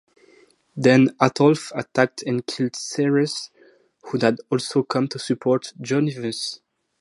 Then Ataulf attacked and killed Sarus, who had also come to support Jovinus.